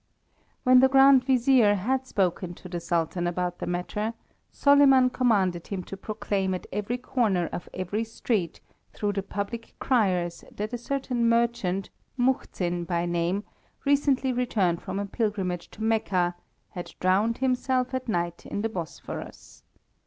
When the Grand Vizier had spoken to the Sultan about the matter, Soliman commanded him to proclaim at every corner of every street, through the public criers, that a certain merchant, Muhzin by name, recently returned from a pilgrimage to Mecca, had drowned himself at night in the Bosphorus.